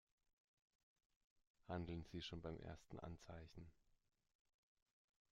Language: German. Handeln Sie schon beim ersten Anzeichen!